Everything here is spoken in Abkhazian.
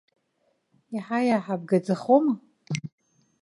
Иаҳа-иаҳа бгаӡахома?